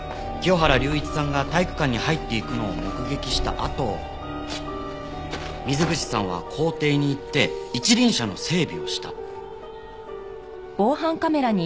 清原隆一さんが体育館に入っていくのを目撃したあと水口さんは校庭に行って一輪車の整備をした。